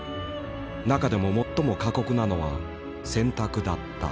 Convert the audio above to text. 中でも最も過酷なのは洗濯だった。